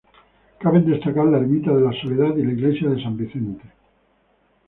Caben destacar la ermita de la Soledad y la iglesia de San Vicente.